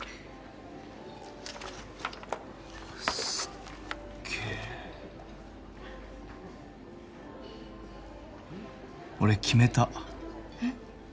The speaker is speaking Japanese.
すっげえ俺決めたうん？